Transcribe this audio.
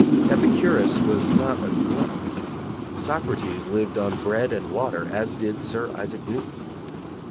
Epicurus was not a glutton. Socrates lived on bread and water, as did Sir Isaac Newton.